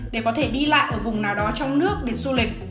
để có thể đi lại ở vùng nào đó trong nước biển du lịch